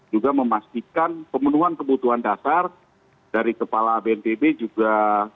juga memastikan pemenuhan kebutuhan dasar dari kepala bnpb juga